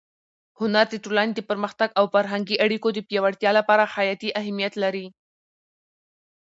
هنر د ټولنې د پرمختګ او فرهنګي اړیکو د پیاوړتیا لپاره حیاتي اهمیت لري.